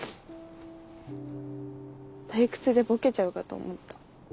退屈でボケちゃうかと思った。